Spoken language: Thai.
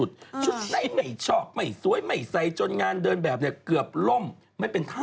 คนเนี้ยสมมติให้หมื่นนึงอ่ะ